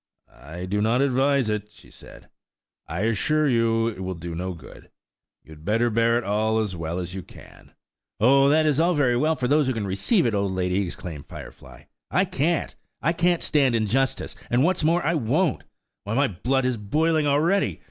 "I do not advise it," she said; "I assure you it will do no good. You had better bear it all as well as you can." "Oh, that is all very well for those who can receive it, old lady," exclaimed Firefly: "I can't. I can't stand injustice; and what's more, I won't. Why, my blood is boiling already.